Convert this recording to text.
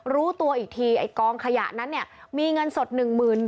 รู้ตัวอีกทีไอ้กองขยะนั้นมีเงินสดหนึ่งหมื่น